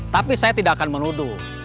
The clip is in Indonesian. tapi saya tidak akan menuduh